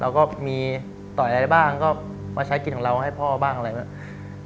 เราก็มีต่อยอะไรบ้างก็มาใช้กินของเราให้พ่อบ้างอะไรอย่างนี้